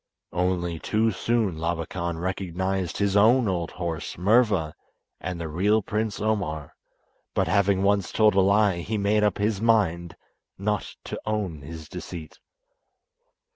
Only too soon Labakan recognised his own old horse, Murva, and the real Prince Omar, but having once told a lie he made up his mind not to own his deceit.